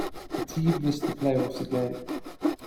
The team missed the playoffs again.